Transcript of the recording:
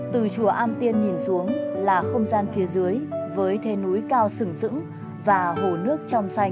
từ chùa am tiên nhìn xuống là không gian phía dưới với thế núi cao sửng dững và hồ nước trong xanh